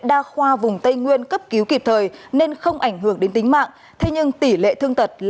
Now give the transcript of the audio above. đa khoa vùng tây nguyên cấp cứu kịp thời nên không ảnh hưởng đến tính mạng thế nhưng tỷ lệ thương tật là một mươi bảy